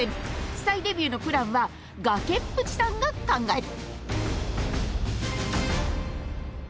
再デビューのプランは崖っぷちさんが考える。